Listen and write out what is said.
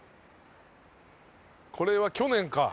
これは去年か。